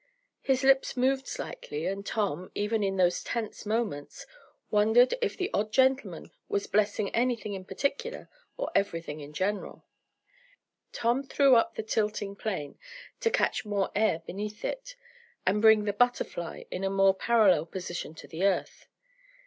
His lips moved slightly, and Tom, even in those tense moments, wondered if the odd gentleman was blessing anything in particular, or everything in general. Tom threw up the tilting plane, to catch more air beneath it, and bring the BUTTERFLY in a more parallel position to the earth.